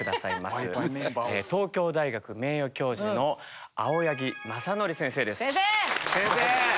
東京大学名誉教授の青柳正規先生です。